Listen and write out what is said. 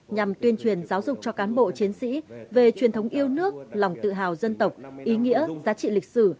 nhằm tuyên truyền giáo dục cho cán bộ chiến sĩ về truyền thống yêu nước lòng tự hào dân tộc ý nghĩa giá trị lịch sử